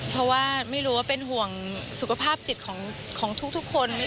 เพราะว่าไม่รู้ว่าเป็นห่วงสุขภาพจิตของทุกคน